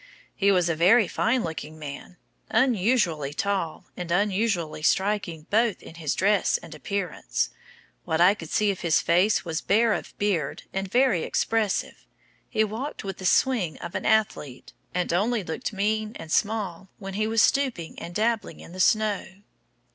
"He was a very fine looking man; unusually tall and unusually striking both in his dress and appearance. What I could see of his face was bare of beard, and very expressive. He walked with the swing of an athlete, and only looked mean and small when he was stooping and dabbling in the snow."